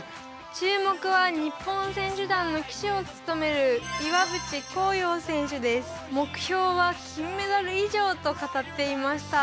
注目は日本選手団の旗手を務める目標は金メダル以上と語っていました。